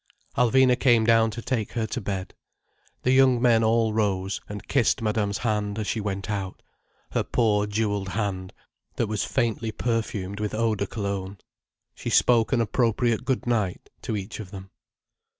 Alvina came down to take her to bed. The young men all rose, and kissed Madame's hand as she went out: her poor jewelled hand, that was faintly perfumed with eau de Cologne. She spoke an appropriate good night, to each of them.